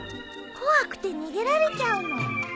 怖くて逃げられちゃうの。